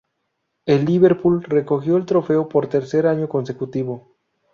El Liverpool recogió el trofeo por tercer año consecutivo.